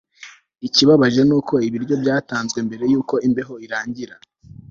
ikibabaje ni uko ibiryo byatanzwe mbere yuko imbeho irangira